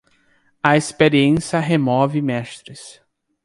A experiência remove mestres.